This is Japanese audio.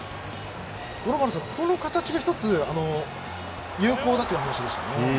五郎丸さん、この形が１つ有効だという話でしたね。